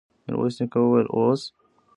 ميرويس نيکه وويل: اوس!